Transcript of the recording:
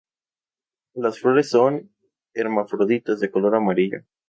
Las flores son hermafroditas de color amarillo.